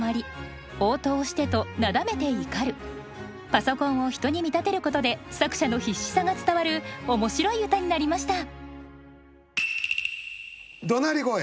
パソコンを人に見立てることで作者の必死さが伝わる面白い歌になりました。